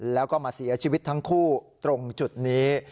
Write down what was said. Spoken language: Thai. แล้วก็มาเสียชีวิตทั้งคู่ตรงจุดนี้